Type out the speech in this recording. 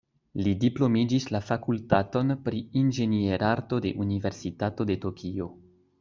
Li diplomiĝis la fakultaton pri inĝenierarto de Universitato de Tokio.